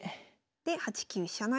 で８九飛車成。